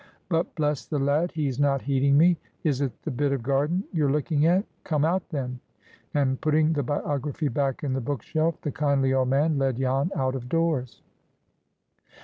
But, bless the lad, he's not heeding me! Is it the bit of garden you're looking at? Come out then." And, putting the biography back in the book shelf, the kindly old man led Jan out of doors.